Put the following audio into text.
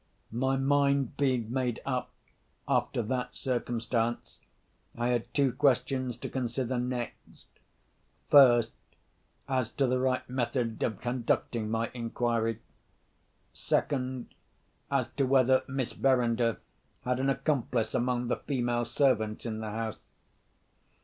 My mind being made up, after that circumstance, I had two questions to consider next. First, as to the right method of conducting my inquiry. Second, as to whether Miss Verinder had an accomplice among the female servants in the house.